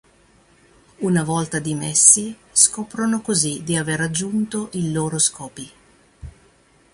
Una volta dimessi, scoprono così di aver raggiunto i loro scopi.